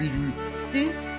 えっ？